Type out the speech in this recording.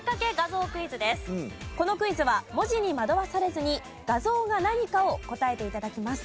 このクイズは文字に惑わされずに画像が何かを答えて頂きます。